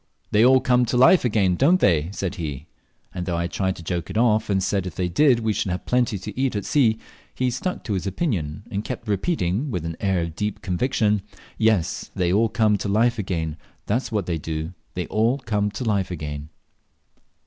"They all come to life again, don't they?" said he; and though I tried to joke it off, and said if they did we should have plenty to eat at sea, he stuck to his opinion, and kept repeating, with an air of deep conviction, "Yes, they all come to life again, that's what they do they all come to life again."